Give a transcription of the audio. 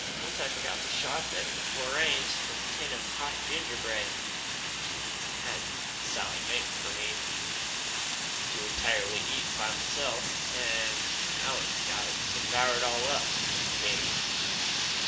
Once I forgot to stop at Lorraine's for a tin of hot gingerbread she'd had Sally make for me to entirely eat by myself, and Alice got it and devoured it all up, the pig!